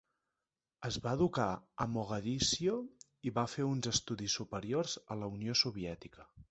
Es va educar a Mogadiscio i va fer estudis superiors a la Unió Soviètica.